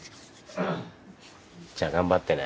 じゃあ頑張ってね。